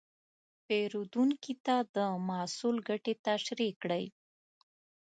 پیرودونکي ته د محصول ګټې تشریح کړئ.